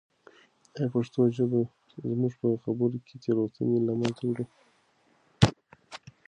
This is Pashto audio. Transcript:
آیا پښتو ژبه زموږ په خبرو کې تېروتنې له منځه وړي؟